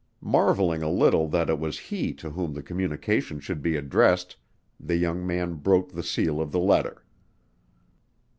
Marveling a little that it was he to whom the communication should be addressed, the young man broke the seal of the letter.